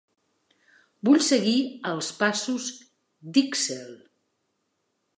Vull seguir els passos d'Yksel.